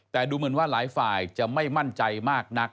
แต่ดูเหมือนว่าหลายฝ่ายจะไม่มั่นใจมากนัก